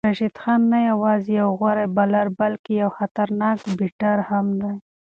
راشد خان نه یوازې یو غوره بالر بلکې یو خطرناک بیټر هم دی.